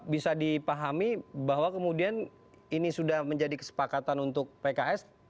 bisa dipahami bahwa kemudian ini sudah menjadi kesepakatan untuk pks